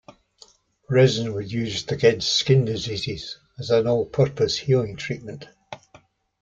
Resin was used against skin diseases as an all-purpose healing treatment.